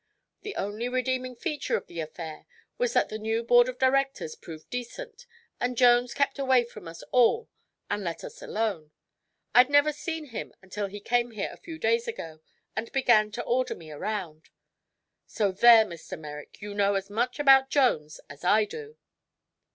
The only redeeming feature of the affair was that the new board of directors proved decent and Jones kept away from us all and let us alone. I'd never seen him until he came here a few days ago and began to order me around. So, there, Mr. Merrick, you know as much about Jones as I do."